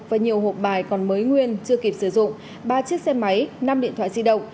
và nhiều hộp bài còn mới nguyên chưa kịp sử dụng ba chiếc xe máy năm điện thoại di động